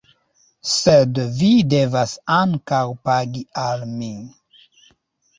Sed vi devas ankaŭ pagi al mi!